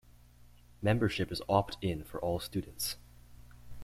Membership is opt-in for all students.